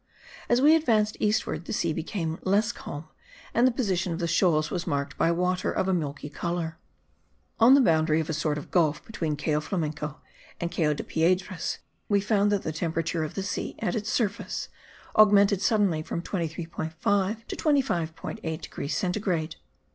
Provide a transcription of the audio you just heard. As we advanced eastward the sea became less calm and the position of the shoals was marked by water of a milky colour. On the boundary of a sort of gulf between Cayo Flamenco and Cayo de Piedras we found that the temperature of the sea, at its surface, augmented suddenly from 23.5 to 25.8 degrees centigrade.